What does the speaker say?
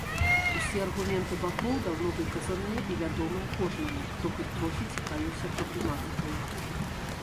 Усе аргументы бакоў даўно выказаныя і вядомыя кожнаму, хто хоць трохі цікавіўся праблематыкай.